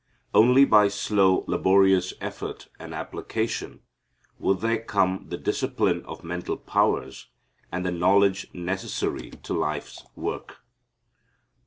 Only by slow laborious effort and application would there come the discipline of mental powers and the knowledge necessary to life's work.